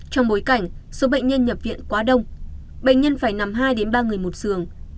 trong bối cảnh số bệnh nhân nhập viện quá đông bệnh nhân phải nằm hai ba người một giường